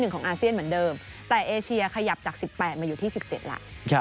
ของอาเซียนเหมือนเดิมแต่เอเชียขยับจาก๑๘มาอยู่ที่๑๗แล้ว